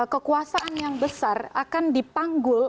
kekuasaan yang besar akan dipanggul